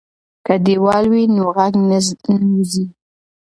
که دیوال وي نو غږ نه وځي.